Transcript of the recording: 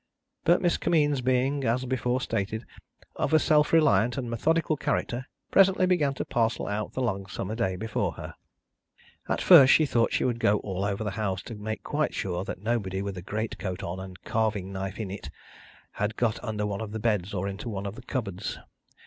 But, Miss Kimmeens being, as before stated, of a self reliant and methodical character, presently began to parcel out the long summer day before her. And first she thought she would go all over the house, to make quite sure that nobody with a great coat on and a carving knife in it, had got under one of the beds or into one of the cupboards.